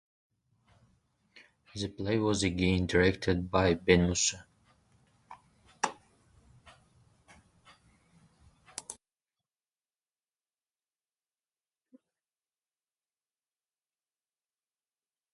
The play was again directed by Benmussa.